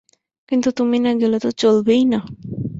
কিন্তু তুমি না গেলে তো চলবেই না।